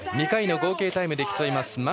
２回の合計タイムで競います。